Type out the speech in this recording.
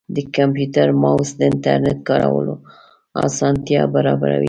د کمپیوټر ماؤس د انټرنیټ کارولو اسانتیا برابروي.